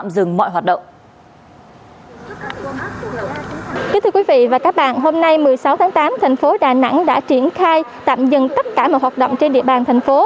thưa quý vị và các bạn hôm nay một mươi sáu tháng tám thành phố đà nẵng đã triển khai tạm dừng tất cả mọi hoạt động trên địa bàn thành phố